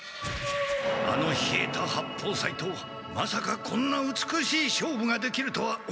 あの稗田八方斎とまさかこんな美しい勝負ができるとは思わなかった。